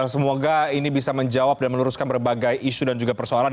semoga ini bisa menjawab dan meneruskan berbagai isu dan juga persoalan